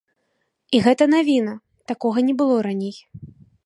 І гэта навіна, такога не было раней.